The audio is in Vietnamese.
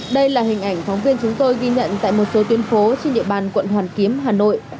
đây là hình ảnh phóng viên chúng tôi ghi nhận tại một số tuyến phố trên địa bàn quận hoàn kiếm hà nội